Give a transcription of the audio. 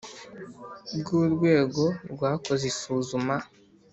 bwu rwego rwakoze isuzuma